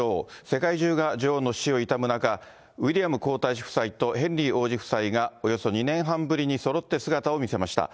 世界中が女王の死を悼む中、ウィリアム皇太子夫妻とヘンリー王子夫妻が、およそ２年半ぶりにそろって姿を見せました。